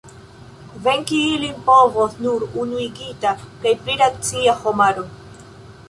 Venki ilin povos nur unuigita kaj pli racia homaro.